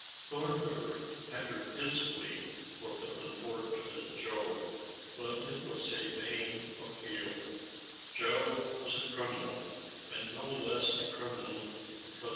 Thornbury entered his plea for the unfortunate Joe, but it was a vain, appeal. Joe was a criminal, and no less a criminal, because ALICE ; OR, THE WAGES GE SIN.